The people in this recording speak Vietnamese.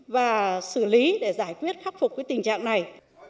và xử lý để giải quyết khắc phục cái tình trạng này